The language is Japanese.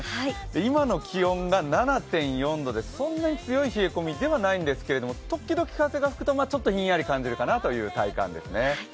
今の気温が７．４度でそんなに強い冷え込みではないんですけど、時々風が吹くとちょっとひんやり感じるかなという体感ですね。